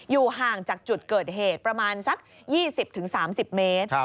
อยู่ห่างจากจุดเกิดเหตุประมาณสัก๒๐๓๐เมตร